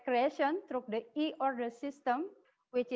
tetapi yang terkait dengan pandemi ini